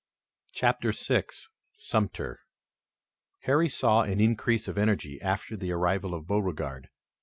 CHAPTER VI SUMTER Harry saw an increase of energy after the arrival of Beauregard.